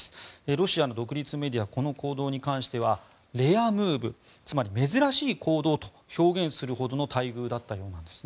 ロシアの独立メディアはこの行動に関してはレア・ムーブつまり珍しい行動と表現するほどの待遇だったようなんです。